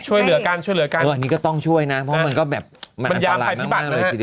ช่วยเหลือกันอันนี้ก็ต้องช่วยนะเพราะมันก็แบบมันยาภัยที่บัตรนะฮะ